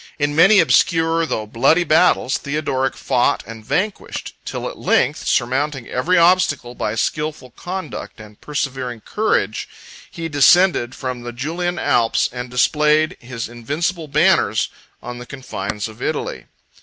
In many obscure though bloody battles, Theodoric fought and vanquished; till at length, surmounting every obstacle by skilful conduct and persevering courage, he descended from the Julian Alps, and displayed his invincible banners on the confines of Italy.